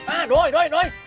aduh idoi idoi